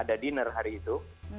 dia tidak ada dinner hari itu